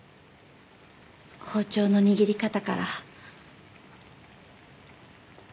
包丁の握り方から。